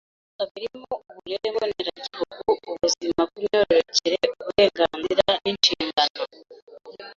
guhinduka birimo uburere mboneragihugu ubuzima bw imyororokere uburenganzira n inshingano